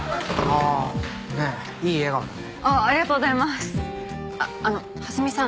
あっあの蓮見さん